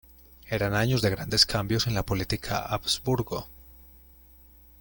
Eran años de grandes cambios en la política habsburgo.